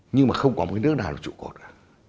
nhưng mà không có một cái nước nào là trụ cột cả